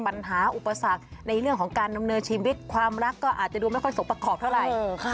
อุปสรรคในเรื่องของการดำเนินชีวิตความรักก็อาจจะดูไม่ค่อยสมประกอบเท่าไหร่